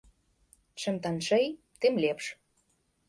Чым танчэй, тым лепш.